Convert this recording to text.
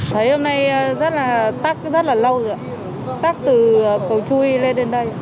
thấy hôm nay rất là tắc rất là lâu rồi ạ tắc từ cầu chui lên đến đây